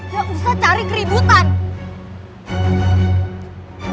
ya usah cari keributan